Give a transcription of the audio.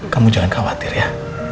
kamu jangan khawatir ya